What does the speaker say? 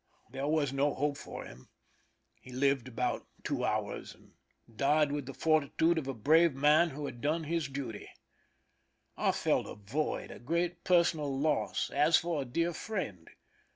There was no hope for him ; he lived about two hours, and died with the fortitude of a brave man who had done his duty. I felt a void, a great personal loss, as for a dear friend.